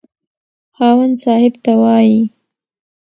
خاوند صاحب ته وايي.